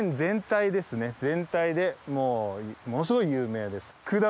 全体でものすごい有名です。